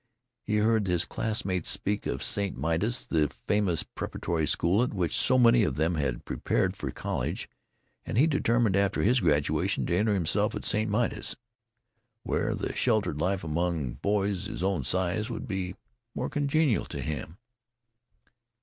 He had heard his classmates speak of St. Midas's, the famous preparatory school, at which so many of them had prepared for college, and he determined after his graduation to enter himself at St. Midas's, where the sheltered life among boys his own size would be more congenial to him.